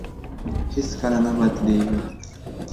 هېڅ کله نه بدلېږي.